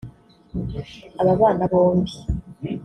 aba bana bombi